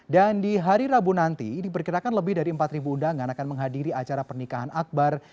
dan di hari rabu nanti diperkirakan lebih dari empat undangan akan menghadiri acara pernikahan akbar